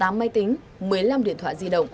tám máy tính một mươi năm điện thoại di động